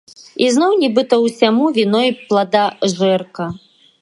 І зноў нібыта ўсяму віной пладажэрка.